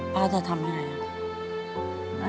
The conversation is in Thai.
ป้าจะทำยังไง